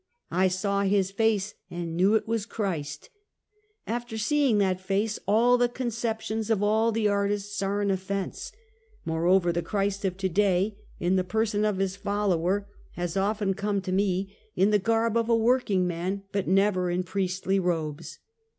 I saw his face, and knew it was Christ. After see ing that face, all the conceptions of all the artists are an ofl^ense. Moreover, the Christ of to day, in the person of his follower, has often come to me in the garb of a Home Again. 221 workiTig man, but never in priestly robes.